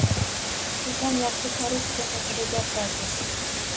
Xususan, "yaxshi" korruptsiya haqida gap bordi